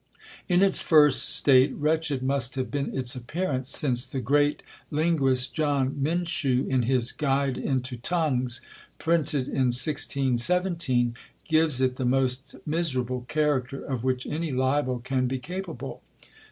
In its first state wretched must have been its appearance, since the great linguist John Minshew, in his 'Guide into Tongues,' printed in 1617, gives it the most miserable character of which any libel can be capable.